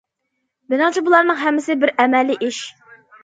مېنىڭچە بۇلارنىڭ ھەممىسى بىر ئەمەلىي ئىش.